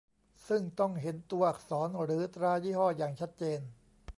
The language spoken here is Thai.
ซึ่งต้องเห็นตัวอักษรหรือตรายี่ห้ออย่างชัดเจน